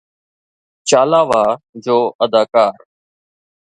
چالاوا جو اداڪار